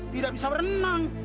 tidak bisa berenang